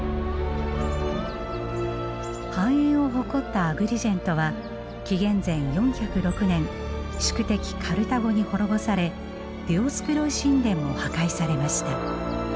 繁栄を誇ったアグリジェントは紀元前４０６年宿敵カルタゴに滅ぼされディオスクロイ神殿も破壊されました。